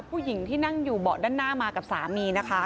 ผู้หญิงที่นั่งอยู่เบาะด้านหน้ามากับสามีนะคะ